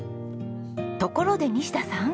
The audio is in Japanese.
ところで西田さん